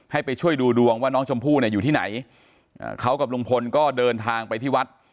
ไปช่วยดูดวงว่าน้องชมพู่เนี่ยอยู่ที่ไหนเขากับลุงพลก็เดินทางไปที่วัด